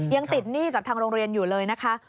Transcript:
ยังติดหนี้กับทางโรงเรียนอยู่เลยนะคะ